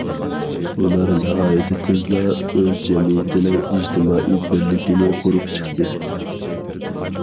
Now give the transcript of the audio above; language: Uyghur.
ئۇلار ناھايىتى تېزلا ئۆز جەمئىيىتىنىڭ ئىجتىمائىي بىرلىكىنى قۇرۇپ چىقتى.